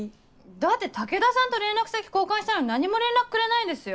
だって武田さんと連絡先交換したのに何も連絡くれないんですよ。